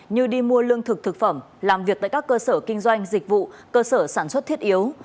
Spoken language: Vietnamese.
như đi mua lương thực thực phẩm làm việc tại các cơ sở kinh doanh dịch vụ cơ sở sản xuất thiết yếu